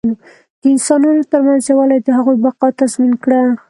د انسانانو تر منځ یووالي د هغوی بقا تضمین کړه.